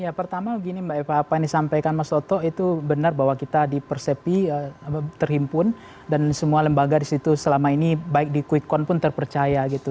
ya pertama begini mbak eva apa yang disampaikan mas soto itu benar bahwa kita di persepi terhimpun dan semua lembaga di situ selama ini baik di quick count pun terpercaya gitu